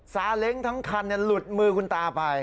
ซาเล้งทั้งคันหลุดมือคุณตาไป